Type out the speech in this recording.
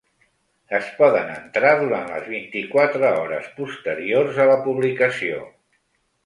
Es poden entrar durant les vint-i-quatre hores posteriors a la publicació.